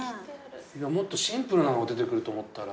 もっとシンプルなのが出てくると思ったら。